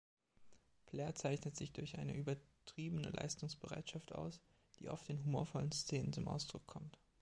Blair zeichnet sich durch eine übertriebene Leistungsbereitschaft aus, die oft in humorvollen Szenen zum Ausdruck kommt.